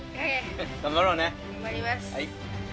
頑張ります。